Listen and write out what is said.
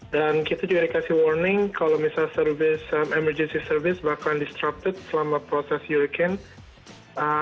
dan kita juga dikasih warning kalau misal emergency service bakalan disrupted selama proses hurricane